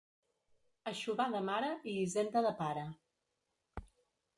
Aixovar de mare i hisenda de pare.